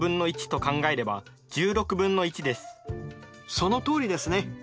そのとおりですね。